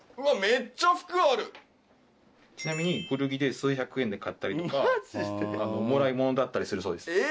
ちなみに古着で数百円で買ったりとかもらい物だったりするそうです。え！